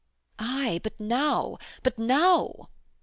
'Ay, but now. But now....'